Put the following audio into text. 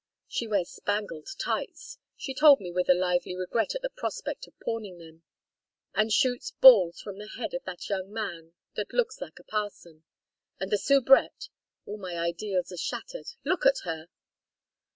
She wears spangled tights she told me with a lively regret at the prospect of pawning them and shoots balls from the head of that young man that looks like a parson. And the soubrette all my ideals are shattered! Look at her."